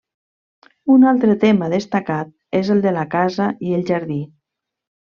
Un altre tema destacat és el de la casa i el jardí.